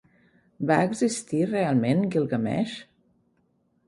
Va existir realment Guilgameix?